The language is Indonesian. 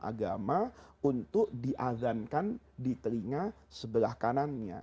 agama untuk diazankan di telinga sebelah kanannya